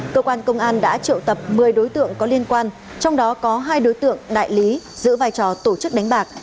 cơ quan công an đã triệu tập một mươi đối tượng có liên quan trong đó có hai đối tượng đại lý giữ vai trò tổ chức đánh bạc